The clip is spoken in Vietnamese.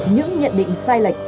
những nhận định sai lệch